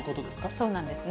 そうなんですね。